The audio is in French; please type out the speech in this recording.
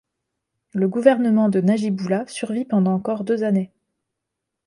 Le gouvernement de Najibullah survit pendant encore deux années.